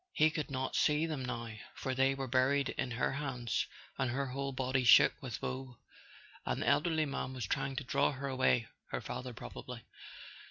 He could not see them now, for they were buried in her hands and her whole body shook with woe. An elderly man was trying to draw her away —her father, probably.